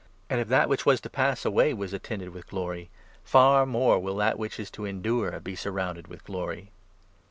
And, 1 1 if that which was to pass away was attended with glory, far more will that which is to endure be surrounded with glory